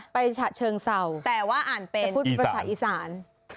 ฉะเชิงเศร้าแต่ว่าอ่านเป็นพูดภาษาอีสาน